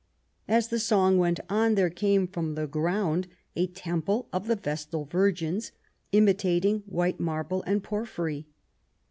As the song went on, there came from the ground a temple of the Vestal Virgins, imitating white marble and porphyry.